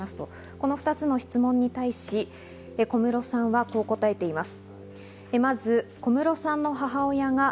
この２つの質問に対し、小室さんはこう答えています。